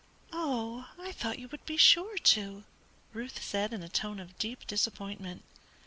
"Oh, I thought you would be sure to," Ruth said in a tone of deep disappointment.